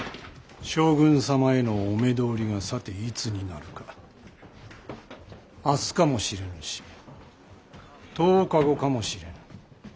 将軍様へのお目通りがさていつになるか明日かもしれぬし１０日後かもしれぬ。